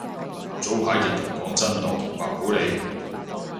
早排譯人講真鐸同白普理